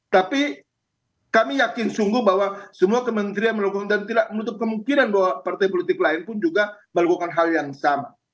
tapi kami yakin sungguh bahwa semua kementerian melakukan dan tidak menutup kemungkinan bahwa partai politik lain pun juga melakukan hal yang sama